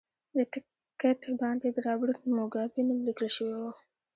د ټکټ باندې د رابرټ موګابي نوم لیکل شوی و.